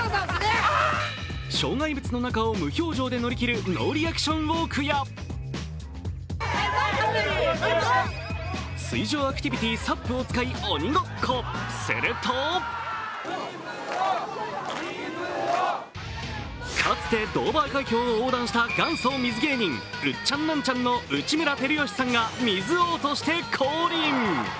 障害物の中を無表情で乗り切るノーリアクションウォークや、水上アクティビティーＳＵＰを使い鬼ごっこ、するとかつてドーバー海峡を横断した元祖水芸人、ウッチャンナンチャンの内村光良さんが水王として降臨。